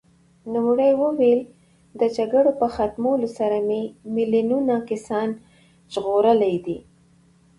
نوموړي وویل، د جګړو په ختمولو سره مې میلیونونه کسان ژغورلي دي.